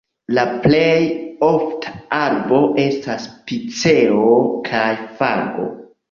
La plej ofta arbo estas piceo kaj fago.